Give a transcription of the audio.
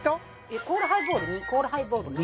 コーラハイボール２コーラハイボール２。